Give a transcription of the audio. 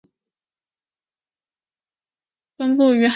分布于海南等地。